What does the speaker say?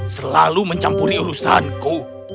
selalu mencampuri urusanku